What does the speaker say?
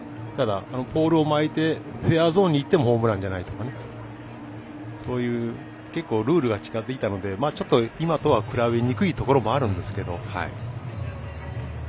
ポールを巻いてフェアゾーンにいってもホームランじゃないとか結構ルールが違っていたので今とは結構比べにくいところもあるんですけど。